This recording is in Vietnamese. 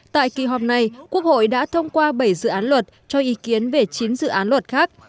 tại kỳ họp này quốc hội đã thông qua bảy dự án luật cho ý kiến về chín dự án luật khác